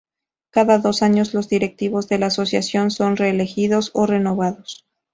Cada dos años los directivos de la asociación son reelegidos o renovados.